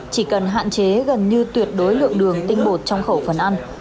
chỉ cần hạn chế gần như tuyệt đối lượng đường tinh bột trong khẩu phần ăn